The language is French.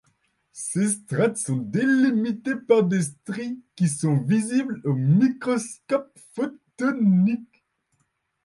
Ces strates sont délimitées par des stries qui sont visibles au microscope photonique.